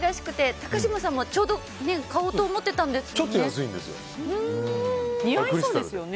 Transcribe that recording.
高嶋さんもちょうど買おうと思ってたんですよね。